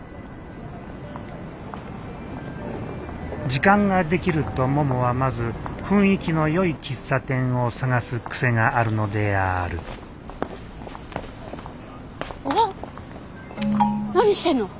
時間ができるとももはまず雰囲気のよい喫茶店を探す癖があるのであるわっ何してんの。